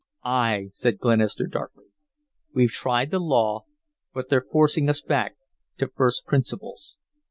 "Ay," said Glenister, darkly. "We've tried the law, but they're forcing us back to first principles.